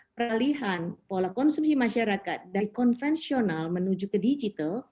peralihan pola konsumsi masyarakat dari konvensional menuju ke digital